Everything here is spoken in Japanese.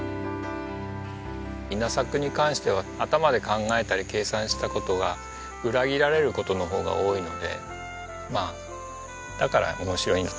稲作に関しては頭で考えたり計算した事が裏切られる事のほうが多いのでまあだから面白いんだと思います。